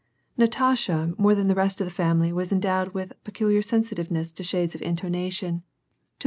Natasha more than the rest of the family was endowed with peculiar sensitiveness to shades of intonation, to the ♦ Oolubchik. WAR AND PEACE.